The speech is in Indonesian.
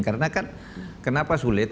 karena kan kenapa sulit